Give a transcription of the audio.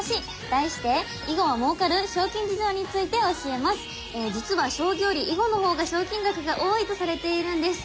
題して実は将棋より囲碁の方が賞金額が多いとされているんです。